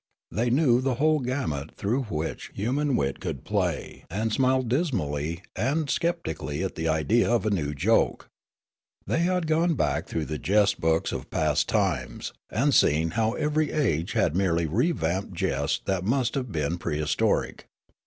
They knew the whole gamut through which human wit could play, and smiled dismally and sceptically at the idea of a new joke ; they had gone 255 256 Riallaro back through the jest books of past times, and seen how ever}' age had merely revamped jests that must have been prehistoric.